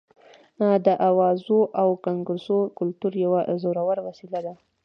د اوازو او ګونګوسو کلتور یوه زوروره وسله ده.